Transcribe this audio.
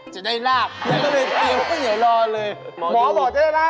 จะได้ราบอยากจะได้เตียงข้าวเหนียวรอเลย